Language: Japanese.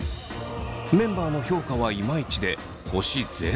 メンバーの評価はイマイチで星ゼロ。